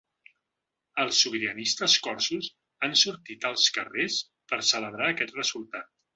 Els sobiranistes corsos han sortit als carrers per celebrar aquest resultat.